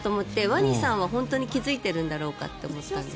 ワニさんは本当に気付いているんだろうかと思ったんですけど。